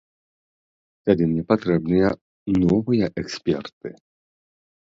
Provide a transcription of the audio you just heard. Тады мне патрэбныя новыя эксперты.